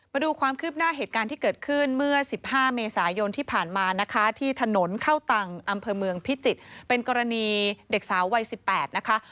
มาดูความคืบหน้าเหตุการณ์ที่เกิดขึ้นเมื่อ๑๕เมษายนที่ผ่านมานะคะที่ถนนเข้าตังอำเภอเมืองพิจิตรเป็นกรณีเด็กสาววัย๑๘นะคะ